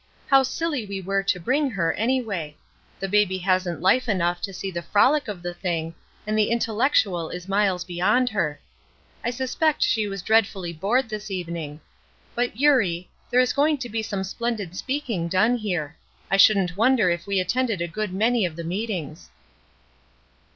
How silly we were to bring her, anyway. The baby hasn't life enough to see the frolic of the thing, and the intellectual is miles beyond her. I suspect she was dreadfully bored this evening. But, Eurie, there is going to be some splendid speaking done here. I shouldn't wonder if we attended a good many of the meetings."